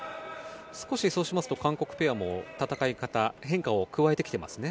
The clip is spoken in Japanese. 少しそうしますと韓国ペアも戦い方変化を加えてきていますね。